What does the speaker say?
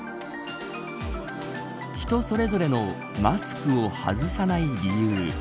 人それぞれのマスクを外さない理由。